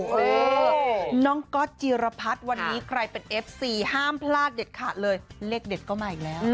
เออน้องก๊อตจิรพัฒน์วันนี้ใครเป็นเอฟซีห้ามพลาดเด็ดขาดเลยเลขเด็ดก็มาอีกแล้ว